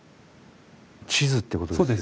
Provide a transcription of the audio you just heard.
地図ってことですよね？